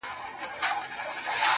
چت يم نړېږمه د عمر چي آخره ده اوس~